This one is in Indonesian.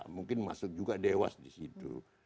mungkin masuk juga dewas disitu